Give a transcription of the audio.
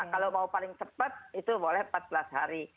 kalau mau paling cepat itu boleh empat belas hari